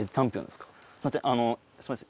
すみません